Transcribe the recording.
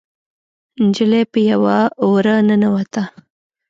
نجلۍ په يوه وره ننوته.